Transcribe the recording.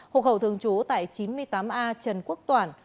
hục hậu thường trú tại chín mươi tám a trần quốc toản